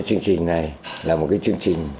chương trình này là một chương trình